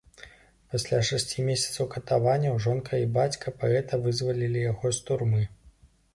Пасля шасці месяцаў катаванняў жонка і бацька паэта вызвалілі яго з турмы.